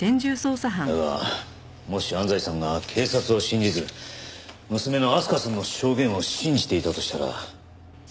だがもし安西さんが警察を信じず娘の明日香さんの証言を信じていたとしたら。